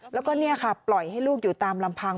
แล้วก็เนี่ยค่ะปล่อยให้ลูกอยู่ตามลำพัง